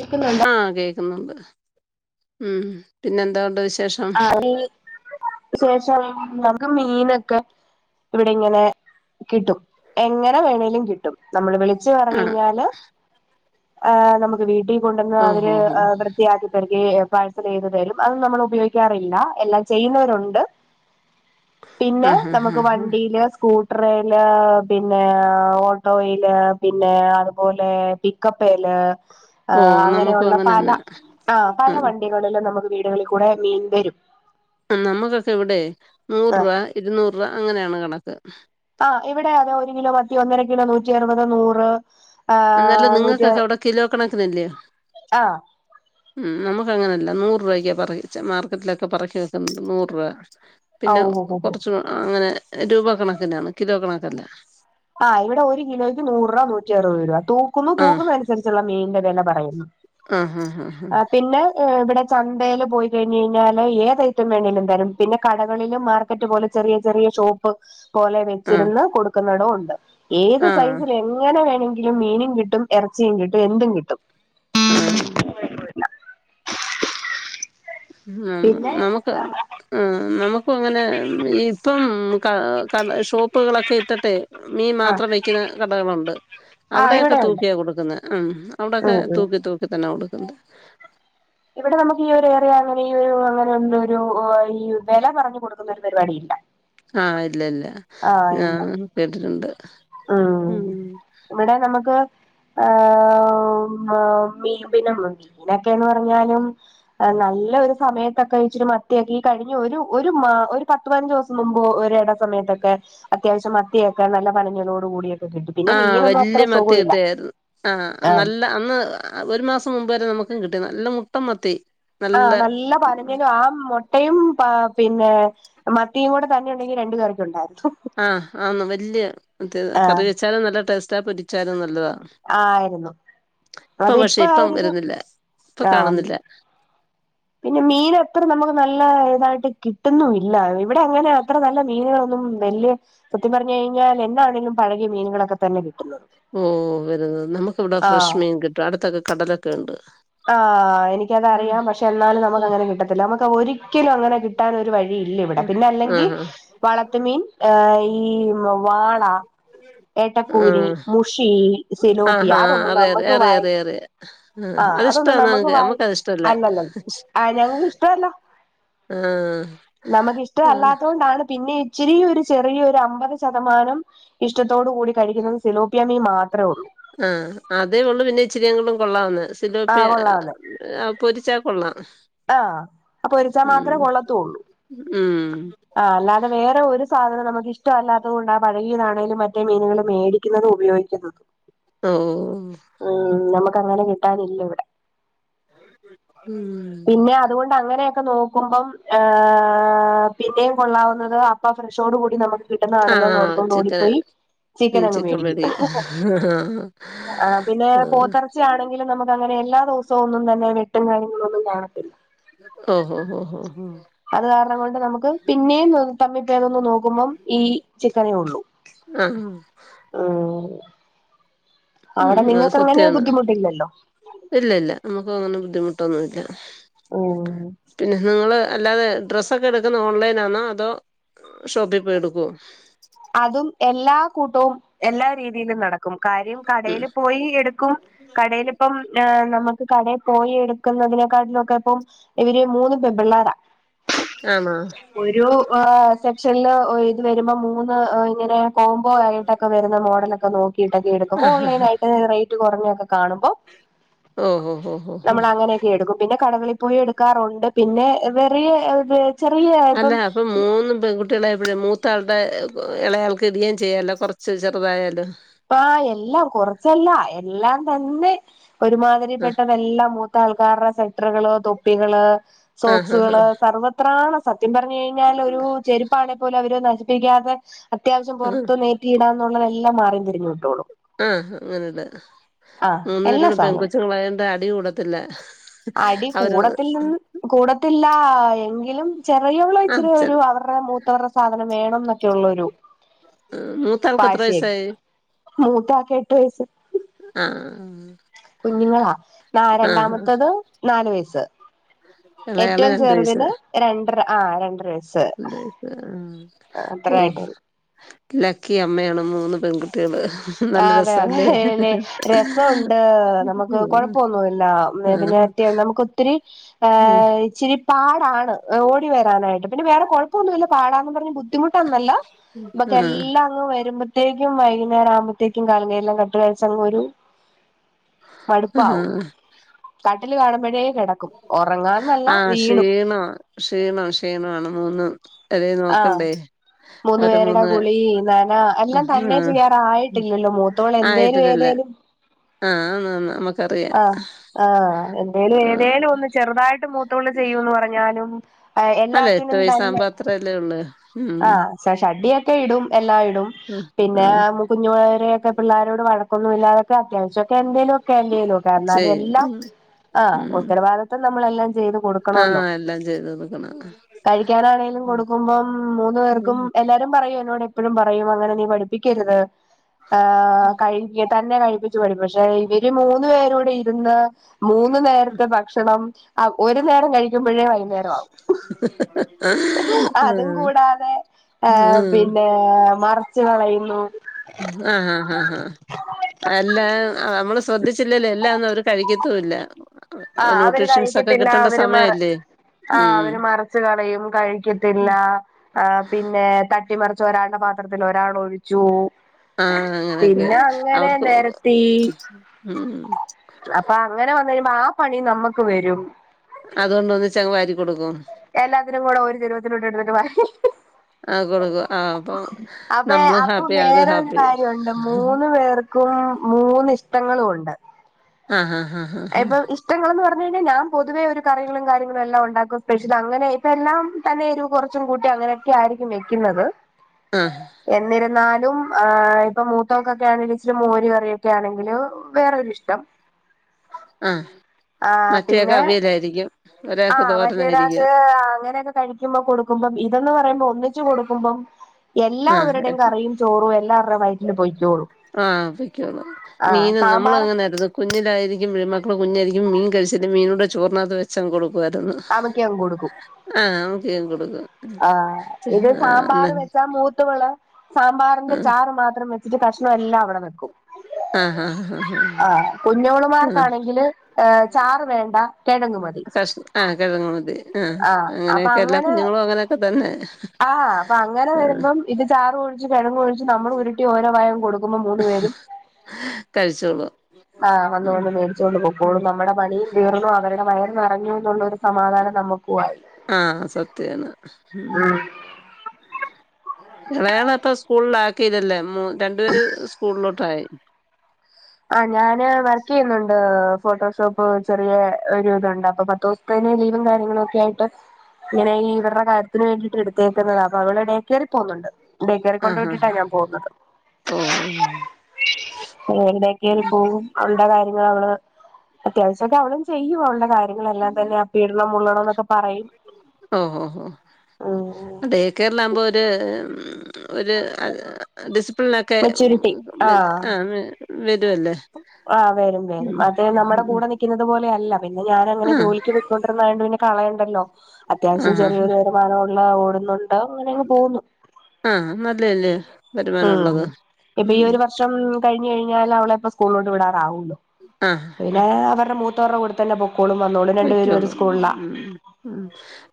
കേക്കുന്നുണ്ടോ ആഹ് കേക്കുന്നുണ്ട് ഉം പിന്നെ എന്തോണ്ട് വിശേ ആഹ് മീൻ വിശേഷം നമുക്ക് മീനൊക്കെ ഇവിടെ ഇങ്ങനെ കിട്ടും എങ്ങനെ വേണേങ്കിലും കി ട്ടും നമ്മള് വിളിച്ച് പറഞ്ഞ് ആഹ് കഴിഞ്ഞാല് ഏഹ് നമുക്ക് വീട്ടിൽ കൊണ്ടന്ന് ഓഹ് അവര് ഓഹ് ഓഹ് വൃത്തിയാക്കിത്തർ പാഴ്സൽ ചെയ്ത് തരും അത് നമ്മൾ ഉപയോഗി അറിയില്ല എല്ലാം ചെയ്യുന്നവരുണ്ട് പിന്നെ ആഹ് ആഹ് നമുക്ക് ആഹ് ആഹ് വണ്ടിയില് സ്കൂ ട്രെയിനില് പിന്നെ ഓട്ടോയില് പിന്നെ അതുപോലെ പിക്കപ്പയില് ആഹ് ഓഹ് നമുക്കും അങ്ങനെയുള്ള പല അങ്ങനെന്നെ ആഹ് പല വണ്ടി [unintelligible] നമുക്ക് വീടുകളിൽ കൂടെ മീൻ വരും. നമ്മക്കൊക്കെ ഇവടെ നൂറ് ആ രൂപ ഇരുന്നൂറ് രൂപ അങ്ങനെയാണ് കണക്ക്. ആഹ് ഇവടെ അതെ ഒരു കിലോ മത്തി ഒന്നര കിലോ നൂറ്റി അറുപത്, നൂറ് എന്നല്ല ആഹ് നൂറ്റി നിങ്ങൾക്കൊക്കെ അവടെ കിലോ കണക്ക്നല്ലേ? ആഹ് ഉം നമ്മക്ക് അങ്ങനെല്ല നൂറ് രൂപയ്ക്കാ പറിച്ച മാർക്കറ്റിലൊക്കെ പറക്കി വെക്കുന്നുണ്ട് നൂറ് രൂപ ഓ പിന്നെ ഹോ ഹോ ഹോ കൊറച്ച് അങ്ങനെ രൂപ കണക്കിനാണ് കിലോ കണക്കല്ല. ആഹ് ഇവടെ ഒരു കിലോയ്ക്ക് നൂറ് രൂപ, നൂറ്റി അറുപത് രൂപ തൂക്കുന്നു ആഹ് തൂക്കുന്ന അ നുസരിച്ചുള്ള മീന്റെ വെല പറയുന്നു ആഹ് ആഹ് ഏഹ് പിന്നെ ഹ് ഇവടെ ചന്തേൽ പോയി കഴിഞ്ഞ് കഴിഞ്ഞാല് ഏത ഐറ്റം വേണേലും തരും പിന്നെ കടകളിലും മാർക്കറ്റ് പോലെ ചെറിയ ചെറിയ ഷോ പൊ പോലെ ആഹ് വെച്ചിരുന്ന കൊടുക്കുന്നടോ ഉണ്ട് ഏത് ആഹ് ആഹ് സൈസില അങ്ങനെ വേണങ്കിലും മീനും കിട്ടും എറച്ചിം കിട്ടും എന്തും കിട്ടും. ഉം ഉം പിന്നെ നമുക്ക് ഉം നമുക്ക് അങ്ങനെ ഇപ്പം ക ക ഷോ ഉപ്പുകളൊക്കെ ഇട്ടിട്ട് മീൻ ആഹ് മാത്രം വയ്ക്കുന്ന കടകളുണ്ട്. ആഹ് അവടെയക്കെ ഇവിടെ ഉണ്ട് തൂക്കിയാ കൊടുക്കുന്നേ ഉം അവടെക്കെ ഉം ഉം തൂക്കി തൂക്കി തന്നെ കൊടുക്കുന്നത്. ഇവിടെ നമുക്ക് ഈ ഒരു എറിയ അങ്ങനെ ഈ ഒരു അങ്ങനെ എന്ത് ഒരു ഹേ ഈ വെല പറഞ്ഞു കൊടുക്കുന്ന ഒരു പരിപാടി ഇല്ല. ആഹ് ഇല്ല ല്ല ആഹ് കേട്ടിട്ടുണ്ട് ഉം ഇവടെ നമ്മക്ക് ഹേ മ മീ പിന്നെ മീനൊക്കെങ്ങ് പ റഞ്ഞാലും നല്ല ഒരു സമയത്തൊക്കെ ഇച്ചിരി മത്തിയക്കെ ഈ കഴിഞ്ഞ ഒരു ഒരു മാ ഒരു പ ത്തുപതിനഞ്ച് ദിവസം മുമ്പ് ഒരിട സമയത്തൊക്കെ അത്യാവശ്യം മത്തിയൊക്കെ നല്ല പനഞ്ഞളോട് കൂടി ആഹ് വല്യ മത്തി കിട്ടായിരുന്നു ആഹ് നല്ല അന്ന് ആഹ് ഒരു മാസം മുമ്പ് വരെ നമുക്കും കിട്ടി നല്ല മുട്ട മത്തി. ആഹ് നല്ല പലഞ്ഞിലും ആഹ് മൊ ട്ടയും പ്പ പിന്നെ മത്തിയും കൂടെ തന്നെ ഉണ്ടെങ്കിൽ രണ്ടു പേർക്കെ ഉണ്ടായിരുന്നു. ആഹ് ആന്ന് വല്യേ ആഹ് കറി വെച്ചാലും നല്ല ടേസ്റ്റാ പൊരിച്ചാലും നല്ലതാ. ആയിരുന്നു ഇപ്പൊ പക്ഷെ അതിപ്പോ ആ ഇപ്പം ഒരിത് വരുന്നില്ല ഇപ്പൊ ആ കാണുന്നില്ല. പിന്നെ മീൻ അത്ര നമുക്ക് നല്ല ഇതായിട്ട് കിട്ടുന്നുല്ല ഇവിടെ അങ്ങനെ അത്ര നല്ല മീനുകളൊന്നും വെല്യേ സത്യം പറഞ്ഞ് കഴിഞ്ഞാ എന്നാണെങ്കിലും പഴകിയ മീനുകളൊക്കെ തന്നെ കിട്ടുന്നത്. ഓഹ് വരുന്നത് നമുക്ക് ഇവടെ ആഹ് ഫ്രഷ് മീൻ കിട്ടും അടുത്തൊക്കെ കടലൊക്കെ ഉണ്ട്. ആഹ് എനിക്കത ഉം അറിയാം പക്ഷെ എന്നാലും നമുക്ക് ഉം അങ്ങനെ കിട്ടത്തില്ല. നമക്ക് ഒരിക്കലും അങ്ങനെ കി ട്ടാനും ഒരു വഴിയില്ല ഇവിടെ പിന്നെ അല്ലെങ്കി ആഹ് വളത്ത മീൻ ഏഹ് ഈ മൊ വാള, ഏട്ടക്കൂരി, ആഹ് മുഷി, സെലോപ്പി ആഹാ അതൊന്നും അറിയ അറിയ നമുക്ക് അറിയ വായി അറിയ അറിയ ആഹ് അതൊന്നും അതിഷ്ടാണ് നമുക്ക് വായി നമ്മുക്കത് ഇഷ്ടല്ല അല്ലല്ല ആഹ് ഞങ്ങൾക്ക് ഇഷ്ടല്ല. ആഹ് നമക്ക് ഇഷ്ട ആഹ് അല്ലാത്ത കൊണ്ടാണ് പിന്നെ ഇച്ചിരി ഒരു ചെറിയ ഒരു അമ്പത് ശതമാനം ഇഷ്ടത്തോടു കൂടി കഴിക്കുന്നത് സിലോപ്പിയ മീൻ മാത്രേ ഉള്ളൂ. ആഹ് അതേ ഉള്ളു പിന്നെ ഇച്ചിരിങ്ങളും കൊള്ളാവുന്ന സിലോപ്പ്യ. ആഹ് കൊള്ളാവുന്നെ പൊരിച്ചാ കൊള്ളാം ആഹ് അപ്പൊ പൊരിച്ചാ ഉം മാത്രേ കൊള്ളത്തള്ളൂ. ഉം ആഹ് അല്ലാതെ വേറെ ഒരു സാധനം നമുക്ക് ഇഷ്ട അല്ലാത്തത് കൊണ്ടാ പഴകിയയിലാണേലും മറ്റേ മീനുകൾ മേടി ക്യുന്നത് ഉപയോഗിക്കുന്നത് ഓ ഉം നമുക്ക് അങ്ങനെ കിട്ടാനില്ല ഇവിടെ ഉം പിന്നെ അതുകൊണ്ട് അങ്ങനെയൊക്കെ നോക്കുമ്പം ഹ പിന്നെയും കൊള്ളാവുന്നത് അപ്പ ഫ്ര ഷോട് കൂടി നമുക്ക് കിട്ടുന്ന ആണല്ലോ ആഹ് ന്നോർത്തോണ്ട് ചിക്കന് ഓടിപ്പോയി ചിക്കൻ ഉം അങ്ങ് മേടിക്ക്യും. മേടി ആഹ് ആ പിന്നെ പോത്തറ ആണെങ്കിലു നമുക്ക് അങ്ങനെ എല്ലാ ദിവസവും ഒന്നും തന്നെ മെട്ടും കാര്യങ്ങളൊന്നും കാണത്തില്ല. ഒ ഓ ഓ ഓ ഓ അത് കാര്ണം കൊണ്ട് നമുക്ക് പിന്നെയും തമ്മി പേരൊന്നും നോക് ക്കുമ്പം ഈ ചിക്കനേ ഒള്ളു. ആഹ് ഏഹ് ഉം അത് അങ്ങനെ സത്യാണ് ബുദ്ധിമുട്ടില്ലല്ലോ ഇല്ല ഇല്ല നമുക്ക് അങ്ങനെ ബുദ്ധിമുട്ടൊന്നു ഇല്ല ഉം നിങ്ങൾ അല്ലാതെ ഡ്രസ്സൊക്കെ എടുക്കുന്ന ഓൺലൈനാണോ അതോ ഷോപ്പിൽ പോയി എടുക്കോ. അതും എല്ലാ കൂട്ടവും എല്ലാ രീതിയിലും നടക്ക് കാര്യം ഉം കടേല് പോയി എടുക്കും. കടേല് ഇപ്പം നമക്ക് കടേ പോയി എടുക്കുന്നതിനെക്കാട്ടിലും ഒക്കെ ഇപ്പം ഇവര് മൂന്ന് പെൺ പിള്ളാരാ. ആണൊ ഒരു സെക്ഷനില് ഇത് വരുമ്പോ മൂന്ന് ഇങ്ങനെ കോമ്പൊ ആയിട്ടൊക്കെ വരുന്ന മോഡലൊക്കെ നോക്കീട്ടൊക്കെ എടുക്കും. ആഹ് ഓൺലൈനായിട്ട് റേയ്റ്റ് കൊറഞ്ഞൊക്കെ കാണുമ്പ ഓ ഓ ഓ ഓ ഓ അങ്ങനെയൊക്കെ എടുക്കും. പിന്നെ കടകളി പോയി എടുക്കാറുണ്ട്. പിന്നെ വെറിയ ചെറിയ ഇപ്പം ഒന്നും പെൺങ്കു കുട്ട്യേളെ എവിടെ മൂത്താളുടെ ഇളയാൾക്ക് ഇടുകയും ചെയ്യാലോ കൊറച്ച് ചെറുതായാലും. അപ്പാ എല്ലാം കൊറച്ചല്ല എല്ലാം തന്നെ ഒരുമാതിരി ആഹ് പെട്ടെന്ന് എല്ലാം മൂ ത്താൾക്കാരുടെ സെറ്ററുകള്, തൊപ്പികള്, ആഹ് ആഹ് സോക്സുകള്, സർവ എത്രാണ് സത്യം പറഞ്ഞു കഴിഞ്ഞാൽ ഒരു ചെരുപ്പാണെ പോലെ അവര് നശിപ്പിക്കാതെ അത്യാവശ്യം പുറത്തു ആഹ് നേറ്റിയിടാന്ന എന്നുള്ളത എല്ലാം മാറി തിരിഞ്ഞു കിട്ടുള്ളൂ ആഹ് അങ്ങനെല്ല ആഹ് മൂന്ന് എല്ലാ പേരോട് പെൺകൊച്ച സാധനവും ങ്ങള [unintelligible] ന്റ അടി കൂടത്തില്ല അടി അവര് കൂടത്തിൽ നിന്ന് കൂടത്തില്ല. എങ്കിലും ചെറിയവള് ആഹ് ഇച്ചിരി ചെ ഒരു അവർ മൂത്തവർടെ സാധനം വേണം എന്നൊക്കെ ഉള്ളൊരു മൂത്താൾക്ക് എത്ര പാശയക്ക വയസ്സായി മൂത്താക്ക് എട്ട് വയസ്സ് ആഹ് കുഞ്ഞുങ്ങളാ ന ആഹ് രണ്ടാമത്തത് നാാലു വയസ്സ്. ഇളയാള് ഏറ്റവും രണ്ട് വയസ്സ് ചെറുതിന് രണ്ടര ആഹ് രണ്ടര വയസ്സ്. രണ്ട് വയസ്സ് ആഹ് അത്ര ഓഹ് ആയിട്ടൊള്ളു. ലക്കി അമ്മയാണ് മൂന്ന് പെൺട്ട്യേള് ആ അതെ അതെ രസ ഉണ്ട് നമുക്ക് ഉം കൊഴപ്പൊന്നുല്ല ആഹ് [unintelligible] നമുക്ക് ഒത്തിരി ഉം ഇച്ചിരി പാടാണ് ഓടി വ ക്കാനായിട്ട്. പിന്നെ വേറെ കുഴപ്പൊന്നുല്ല പാടാന്ന് പറ്ഞ്ഞ് ബുദ്ധിമുട്ടൊന്നല്ല [unintelligible] ബക്ക് ആഹ് എല്ല ങ് വരുമ്പത്തേക്കും വൈന്നാരം ആകുമ്പത്തേക്കും കാലങ്ങല്ലാം കട്ടുകഴസങ്ങ് ഒരു ആഹ് മടുപ്പാവും കാട്ടിൽ കാണുമ്പഴേ കെടക്കും ഒറങ്ങാന്നല്ല ആഹ് വീണു. ക്ഷീണം ക്ഷീണം ക്ഷീണാണ് മൂന്നും അല്ല ആഹ് നോക്കണ്ടേ. മൂന്നു അവര പേരുടെ മൂന്ന് കുളി നന എല്ലാം ആ തന്നെ ഉം ചെയ്യാറായിട്ടില്ലല്ലോ മൂത്തോള് എന്തേലും ആയിട്ടിട്ടില്ല. ഏതേലും ആഹ് ആന്ന് ആന്ന് അമ്മ ആഹ് ആഹ് എന്തേലും ആഹ് ഏതേലും ഒന്ന് ചെറുതായിട്ട് മൂത്തോള് ചെയ്യൂന്ന് പറഞ്ഞാലും. ആ അല്ല എട്ട് എല്ലാത്തിനും തന്നെ. വയസ്സാകുമ്പോ അത്രല്ലേ ഉള്ളേ. ആഹ് ഷഡിയൊക്കെ ഇടും എല്ലാം ഇടും ആഹ് പിന്നെ ആഹ് മു കുഞ്ഞുവരെയക്കെ പിള്ളരോട് വഴക്കൊന്നും ഇല്ലാതൊക്കെ അത്യാവശ്യോക്കെ എന്തേലും. ല്ല നോക്ക എന്നാലും ചെയ്യും എല്ലാം ഉം ആഹ് ഉം ഉത്തരവാദിത്തം നമ്മളെല്ലാം ചെയ്ത് കൊടുക്കണല്ലോ. ആഹ് എല്ലാം ചെയ്തൊടുക്കണം. കഴിക്കാനാണെലും കൊടുക്കുമ്പം. മൂന്നു ഉം പേർക്കും ഉം എല്ലാരും പറയും എനോട്‌ എപ്പഴും പറയും അങ്ങനെ നീ പഠിപ്പിക്കരുത്. ആ കഴികതന്നെ കഴിപ്പിച്ചു പടി പക്ഷെ ഇവര് മൂന്നു പേര്ഇവിടെ ഇരുന്ന്. മൂന്ന് നേരത്തെ ഭക്ഷണംഅഒരു നേരം കഴി ക്കു മ്പഴേ വൈന്നേര ആവും അ അതും കൂടാതെ ആ പിന്നെ മറിച്ച് കളയുന്നു. ആ ആആഹ് ആ അല്ല നമ്മള് ശ്രദ്ധിച്ചില്ലേലെ എല്ലാ ഒന്നും അവര് കഴിക്കത്തൂല്ലാ. ആ അവര് കഴിക്കത്തില്ല അവര് മറ ആ ഉം അവര് മറച്ച് കളയും കഴിക്കത്തില്ല. ആ പിന്നെ തട്ടിമറിച്ച് ഒരാളുടെ പാത്രത്തില് ഒരാള് ഒഴിച്ചു. ആ അങ്ങനൊക്കെ പിന്നെ അവ് അങ്ങനെ സൂ നെരത്തി ഉം അപ്പൊ അങ്ങനെ വന്നഴിയുമ്പോ ആ പണി നമ്മക്ക് വരും. അതുകൊണ്ട് ഒന്നിച്ചങ്ങ് വാരി കൊടുക്കും എല്ലാത്തിനും കൂടെ ഒരു ചെരുവത്തില ആ കൊടുക്കും ആ അപ്പൊ അപ്പേ നമ്മളും അപ്പൊ ഹാപ്പി അവരും വേറരു ഹാപ്പി കാര്യോണ്ട് മൂന്ന് പേർ ക്കും മൂന്നിഷ്ടങ്ങളും ഒണ്ട്. ആ ആ ഹാ ഇപ്പൊ ഇഷ്ടങ്ങളന്ന് പറഞ്ഞു കഴിഞ്ഞാ ഞാൻ പൊതുവെ ഒരു കറിയങ്ങളും കാര്യങ്ങളും എല്ലാം ഒണ്ടാക്കും സ്പെഷ്യൽ അങ്ങനെ ഇപ്പൊ എല്ലാം തന്നെ എ രു കൊറച്ചും കൂട്ടി അങ്ങനെക്കെ ആയിരിക്കും വെക്കുന്നത്. ആ എന്നിരുന്നാലും ഇപ്പൊ മൂത്തോക്കൊക്കെ ആണെ ഇച്ചിരി മോരി കറിയൊക്കെ ആണങ്കിലും. വേറോരു ഇഷ്ടം. ആഹ് ആപിന്നെ പെരികും ആ മറ്റരാക്ക് അങ്ങനെ കഴിക്കുമ്പോ കൊടുക്കുമ്പം ഇതെന്ന് പറയുമ്പോ ഒന്നിച്ച് കൊടുക്കുമ്പോം ആഹ് എല്ലാവരുടെയും കറിയും. ചോറും എല്ലാറുടെ വൈറ്റില് പോയ്ക്കോലും. ആപൊക്കോളു മീന് സാമ്പാർ നമ്മളങ്ങനെ എട്തു കുഞ്ഞിലായിരിക്കും മീൻ മക്കള് കുഞ്ഞായിരിക്കും മീൻ കഴിച്ചിട്ട് മീനോട്‌ ചോറ് നാത് വെച്ചങ് കൊടുക്കുവായിരുന്നു. അവക്ക് ഞാ കൊടുക്കും. ആഹ് അവക്കെയങ് കൊടുക്കും. ആ ഇത് ആഹ് സാമ്പാറ് വെച്ചാ മൂത്തവള് സാമ്പാറിന്റെ ചാറ് മാത്രംമ ഇച്ചിരി കഷ്ണം എല്ലാം അവിടെ വെക്കും. ആഹ് ഹാ ഹാ ഹാ ഹാ ആഹ് കുഞ്ഞോളുമാർക്കാണെങ്കില് ഏ ചാറ് വേണ്ട കിഴങ്ങ് മതി ടസ് ആഹ് കെഴങ്ങ്മതി ആഹ് അപ്പൊ അങ്ങനെയൊക്കെ എല്ലാ അങ്ങനെ കുഞ്ഞുങ്ങളും അങ്ങനെയൊക്കെ തന്നെ ആഹ് അപ്പൊ അങ്ങനെ ആഹ് വരുമ്പം ഇത് ചാറ് ഒഴിച്ച് കിഴങ്ങ് ഒഴിച്ച് നമ്മള് ഉരുട്ടി ഓരോ വായം കൊടുക്കുമ്പോ മൂന്ന് പേരും കഴിച്ചോളും ആഹ് വന്ന് ഉം വന്ന് മേടിച്ചുകൊണ്ട് ഉം പോക്കോളും നമ്മുടെ പണി തീർന്നു അവരുടെ വയറ് നറഞ്ഞു ന്നുള്ളൊരു സമാധാനം നമുക്ക് ആഹ് സത്യാണ് ഉം ഇളയാള അപ്പ സ്കൂൾല് ആക്കിയതല്ലേ മൊ രണ്ടു പേര് സ്കൂളിലോട്ടായി ആഹ് ഞാന് വർക്ക് ചെയ്യുന്നുണ്ട് ഫോട്ടോഷോപ്പ് ചെറിയ ഒരു ഇതുണ്ട് അപ്പൊ പത്തൂസൊ കയിഞ്ഞ് ലീവും കാര്യങ്ങളൊ ഒക്കെ ആയിട്ട് ഇങ്ങനെ ഈ ഇവരുടെ കാര്യത്തിന് വേണ്ടിയിട്ട് എടുത്തേക്കുന്നതാ അപ്പൊ അവിടെ ഡേക്കെയറി പോകുന്നുണ്ട് ടെക്കെയറി കൊണ്ട് ആഹ് ആഹ് വിട്ടിട്ടാ ഞാൻ പോകുന്നത് ഓഹ് ഏഹ് ഡേ ഉം അവളുടെ കാര്യങ്ങള് അത്യാവശ്യൊക്കെ അവളും ചെയ്യുഅവളുടെ കാര്യങ്ങളെല്ലാം തന്നെ അപ്പി ഇടണം മുള്ളണന്നൊക്കേ ഓഹ് ഹോ ഉം ഡേക്കെയേറിലാവുമ്പോ ഒര് ഉം ഒര് ആഹ് ഡിസ്പ്ലിൻ ഒക്കെ ഉം വെര് ആഹ് ഉം വരല്ലേ ആഹ് വരും വരും അത് നമ്മടെ കൂടെ നിക്കുന്നത് പോലെ അല്ല പിന്നെ ഞാനങ്ങനെ ആഹ് ജോലിക്ക് പൊ പൊയ്ക്കൊണ്ടിരുന്നായോണ്ട് പിന്നെ കളയണ്ടല്ലോ അത്യാവശ്യം ആഹ് ചെറിയൊരു [unintelligible] [unintelligible] ഓടുന്നുണ്ട് അങ്ങനെയങ്ങ് പോകുന്നു ആഹ് നല്ലേല്ലേ ഉം ഇപ്പൊ ഈ ഒരു വർഷം കഴിഞ്ഞു കഴിഞ്ഞാല് അവളെ ഇപ്പ സ്കൂളിലോണ്ട് വിടാറാവൂലേ ആഹ് പിന്നേ അവരുടെ മൂത്തവരുടെകൂടെത്തന്നെ പൊക്കോളും വന്നോളും രണ്ടു പേരും ഒരു പൊയ്ക്കോളും സ്കൂൾലാ ഉം ഉം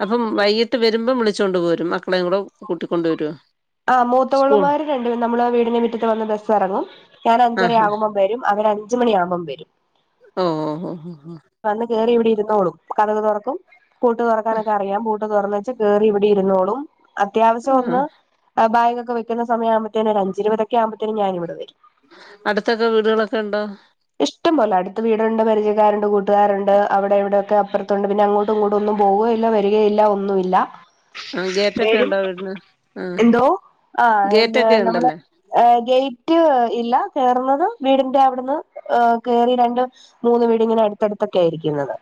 അപ്പം വൈകിട്ട് വരുമ്പം വിളിച്ചോണ്ട് പോരും മക്കളെ കൂടെ കൂട്ടിക്കൊണ്ടരോ ആഹ് മൂത്തോളുമാര് രണ്ട് നമ്മളെ വീടിന്റെ മിറ്റത്ത് വന്ന് ബസ്സ് എറങ്ങും ഞാന് അഞ്ചര ആഹാ ആകുമ്പം വരും അവര് അഞ്ച് മണിയാവുമ്പം വരും ഓഹ് ഹൊ ഹൊ ഹൊ വന്ന് കേറി ഇവിടെ ഇരുന്നോളും കഥക് തൊറക്കും പൂട്ട് തൊറക്കാനൊക്കെ അറിയാം പൂട്ട് തൊറന്ന് ച്ച് കേറി ഇവിടെ ഇരുന്നോളും അത്യാവശ്യം ഓഹ് ആഹ് ഒന്ന് ബാഗൊക്കെവെക്കുന്നസമയ ആവുമ്പത്തേ അഞ്ചേ ഇര് ബത് ആവുമ്പത്തേന് ഞാനിവിടെവരും അടുത്തൊക്കെ വീടുകളൊക്കെണ്ടോ ഇഷ്ടം പോലെ അടുത്ത വീടുണ്ട് പരിചയക്കാരുണ്ട് കൂട്ടുകാരുണ്ട് അവിടെ എവിടെയൊക്കെ അപ്പുറത്തുണ്ട് പിന്നെ അങ്ങോട്ടു ഇങ്ങോ ഒന്നും പോകുകയില്ല വരിക ഇല്ല ഒന്നുല്ല ആഹ് ഗേറ്റൊക്കെ വരും ഉണ്ടോ വീടിന് ആഹ് എന്തോ ആഹ് എന്തേ ഗേറ്റൊക്കെ നമ്മള് ഉണ്ടല്ലേ ഏഹ് ഗെയ്റ്റ് ഇല്ല കേറുന്നത് വീടിന്റെ അവിടുന്ന് കേറി രണ്ട് മൂന്ന് വീടിങ്ങനെ അടുത്തടുത്തൊക്കെ ഇരിക്കുന്നത്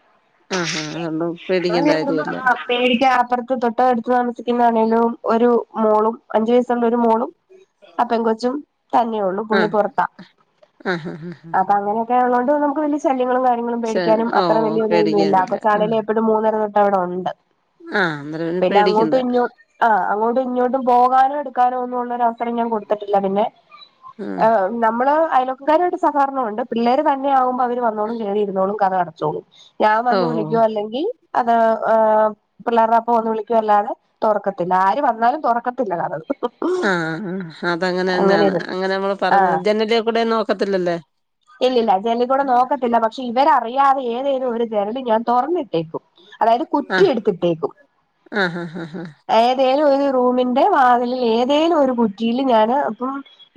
ആഹ് ആഹ് അതുകൊണ്ട് പേടിക്കേണ്ട അങ്ങനുണ്ട്ന്നോ കാര്യമില്ല ആഹ് പേടിക്ക അപ്പുറത്ത് തൊ ട്ടടുത്തു താമസിക്കുന്ന ആണേലും ഒരു മോളും അഞ്ചു വയസ്സുള്ള ഒരു മോളും ആ പെൺകൊച്ചും തന്നെ ഒള്ളു പുള്ളി ആഹ് പൊറത്താ ആഹ് ഹാ ഹാ കേരളോണ്ട് നമക്ക് വല്യേ ശല്യങ്ങളും കാര്യങ്ങളും ശെ പേടിക്കാനും അത്ര ഓഹ് വലിയൊതൊന്നുമില്ല പേടിക്കാനില്ല ആഹ് കൊച്ചാണേല് എപ്പഴും മൂന്നര തൊട്ടവിടെ ഉണ്ട് ആഹ് അന്നേരം പിന്നെ അങ്ങോട്ട് പേടിക്കണ്ട ഇങ്ങോ ആഹ് അങ്ങോട്ടും ഇങ്ങോട്ടും പോകാനോ എടുക്കാനോ ഒന്നും ഉള്ളരു അവസരം ഞാൻ കൊടുത്തിട്ടില്ല പിന്നെ ആഹ് നമ്മള് അയലോക്കക്കാരുയിട്ട് സഹകാരണം ഉണ്ട് പിള്ളേര് തന്നെ ആകുമ്പോ അവര് വന്നോളും കേറിയിരുന്നോളും കതകടച്ചോളൂ ഞാൻ വന്ന് ഓഹ് വിളിക്കു അല്ലെങ്കിൽ അത് അഹ് പിള്ളേരുടെ അപ്പ ഒന്നു വിളിക്കുവ അല്ലാതെ തോറക്കത്തില്ല ആര് വന്നാലും തോറക്കത്തില്ല കതക് ആഹ് ആഹ് അതങ്ങനെ ന്നെയാണ് അങ്ങനെയൊരു അങ്ങനെ നമ്മള് പറഞ്ഞ ആഹ് ജനലിയെ കൂടെ നോക്കത്തില്ലല്ലേ ഇല്ലില്ല ജെനലി കൂടെ നോക്കത്തില്ല പക്ഷെ ഇവരറിയാതെ ഏതേലും ഒരു ജനല് ഞാൻ തോറന്നിട്ടേക്കും അതായത് കുറ്റി ആഹ് എടുത്തിട്ടേക്കും ആഹ് ആഹ് ഏതേലും ഒരു റൂമിന്റെ വാതിലിൽ ഏതേലും ഒരു കുറ്റിയില് ഞാന് അപ്പം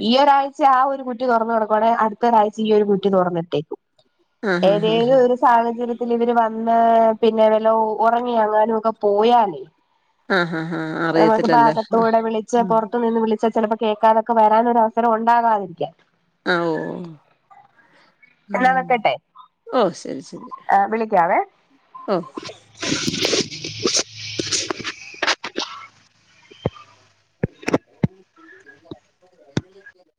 ഈ ഒരാഴ്ച ആ ഒരു കുറ്റി തോറന്നു കടക്കുവാണെങ്കി അടുത്ത ഒരാഴ്ച ച്ച ഈ ഒരു കുറ്റി തുറന്നിട്ടേക്കും ആഹ് ആഹ് ആഹ് ഏതേലും ഒരു സാഹചര്യത്തില് ഇവര് വന്ന് പിന്നെ വല്ലോ ഒറങ്ങി എങ്ങാനും ഒക്കെ പോയാലേ അഹ അഹ അഹ [unintelligible] ഭാകത്തൂടെ വിളച്ച് പോറത്തു നിന്ന് വിളിച് ചെലപ്പോ കേക്കാതെ ക്കെ വരാനോരഅവസരം ഉണ്ടാകാതിരിക്കാം ആവോ ഉം എന്നാ വെക്കട്ടെ ഓഹ് ശരി ശരി വിളിക്കാവേ ഓ [inaudible]